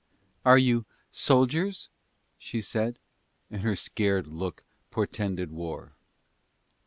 "Are you soldiers?" she said. And her scared look portended war.